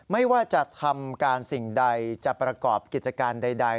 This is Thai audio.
ไม่ว่าจะทำการสิ่งใดจะประกอบกิจการใด